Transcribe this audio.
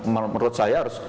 menurut saya harus